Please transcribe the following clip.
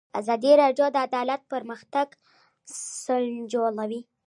ازادي راډیو د عدالت پرمختګ سنجولی.